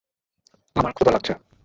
আমায় ক্ষুধা লাগছে।